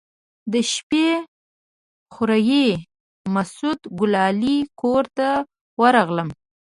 د شپې خوريي مسعود ګلالي کور ته ورغلم.